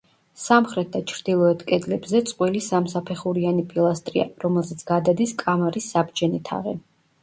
სამხრეთ და ჩრდილოეთ კედლებზე წყვილი სამსაფეხურიანი პილასტრია, რომელზეც გადადის კამარის საბჯენი თაღი.